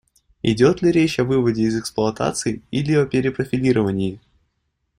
Идет ли речь о выводе из эксплуатации или о перепрофилировании?